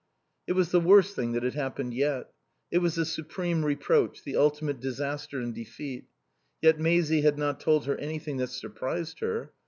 It was the worst thing that had happened yet. It was the supreme reproach, the ultimate disaster and defeat. Yet Maisie had not told her anything that surprised her.